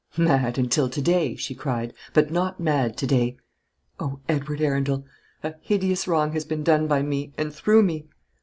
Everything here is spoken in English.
"Mad until to day," she cried; "but not mad to day. O Edward Arundel! a hideous wrong has been done by me and through me.